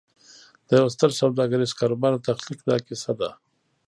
د یوه ستر سوداګریز کاروبار د تخلیق دا کیسه ده